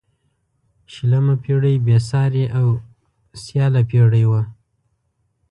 شلمه پيړۍ بې سیارې او سیاله پيړۍ وه.